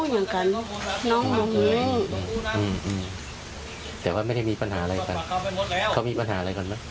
ยังชู้สาวไม่ใช่ใช่ไหมหังใจค่ะ